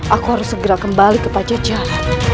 aku harus segera kembali ke paca